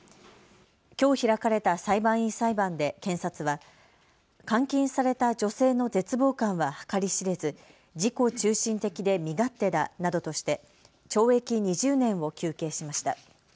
きょう開かれた裁判員裁判で検察は監禁された女性の絶望感は計り知れず、自己中心的で身勝手だなどとして懲役２０年を求刑しました。